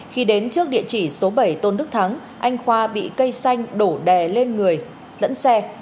khi đến trước địa chỉ số bảy tôn đức thắng anh khoa bị cây xanh đổ đè lên người dẫn xe